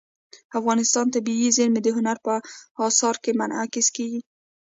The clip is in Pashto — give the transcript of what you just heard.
افغانستان کې طبیعي زیرمې د هنر په اثار کې منعکس کېږي.